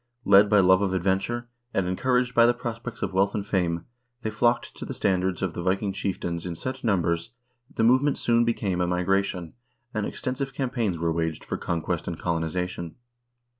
Led by love of adventure, and encouraged by the pros pects of wealth and fame, they flocked to the standards of the Vi king chieftains in such numbers that the movement soon became a migration, and extensive campaigns were waged for conquest and colonization.